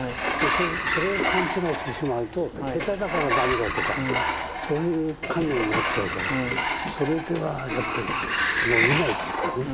それを勘違いしてしまうと下手だから駄目だとかそういう観念になっちゃうからそれではやっぱり伸びないっていうかね。